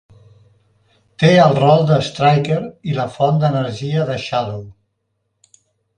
Té el rol de Striker i la font d'energia de Shadow.